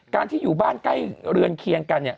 การที่อยู่บ้านใกล้เรือนเคียงกัน